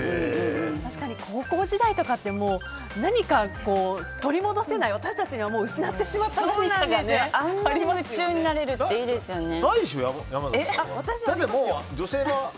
確かに、高校時代とかって取り戻せない、私たちは失ってしまったものがあんなに夢中になれるっていいですよね。